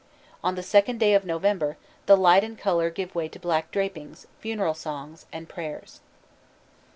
On the second day of November the light and color give way to black drapings, funeral songs, and prayers.